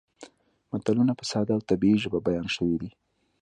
متلونه په ساده او طبیعي ژبه بیان شوي دي